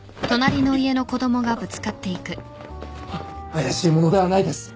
怪しい者ではないです。